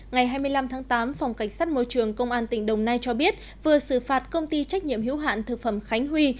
ngày hai mươi năm tháng tám phòng cảnh sát môi trường công an tỉnh đồng nai cho biết vừa xử phạt công ty trách nhiệm hiếu hạn thực phẩm khánh huy